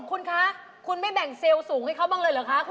คุณคะคุณไม่แบ่งเซลล์สูงให้เขาบ้างเลยเหรอคะ